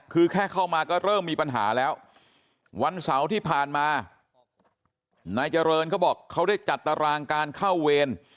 คือแค่เข้ามาก็เริ่มมีปัญหาแล้ววันเสาร์ที่ผ่านมานายเจริญเขาบอกเขาได้จัดตารางการเข้าเวร